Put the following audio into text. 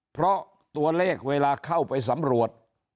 เพราะตัวเลขเวลาเข้าไปสำรวจ